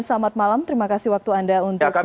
selamat malam terima kasih waktu anda untuk krime news